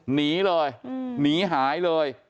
หนีเลยหนีหายเลย